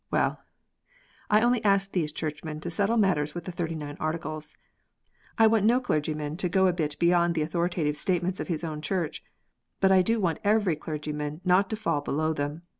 Well ! I only ask these Churchmen to settle matters with the Thirty nine Articles. I want no clergy man to go a bit beyond the authoritative statements of his own Church ; but I do want every clergyman not to fall below them.